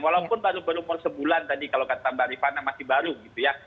walaupun baru berumur sebulan tadi kalau kata mbak rifana masih baru gitu ya